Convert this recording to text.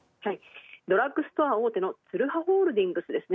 ドラッグストア大手のツルハホールディングスですね。